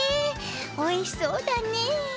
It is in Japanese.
おいしそうだね。